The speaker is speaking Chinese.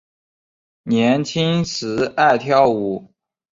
年轻时爱跳舞。